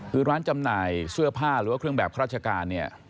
คือร้านจำหน่ายเสื้อผ้าหรือว่าเครื่องแบบราชการเนี่ย